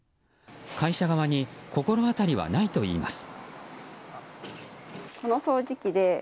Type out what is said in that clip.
会社側に心当たりはないといいます。